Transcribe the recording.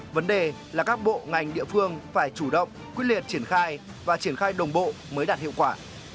vấn đề là các bộ ngành địa phương phải chủ động quyết liệt triển khai và triển khai đồng bộ mới đạt hiệu quả